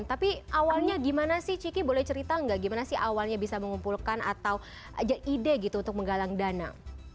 tapi awalnya gimana sih ciki boleh cerita nggak gimana sih awalnya bisa mengumpulkan atau aja ide gitu untuk menggalang dana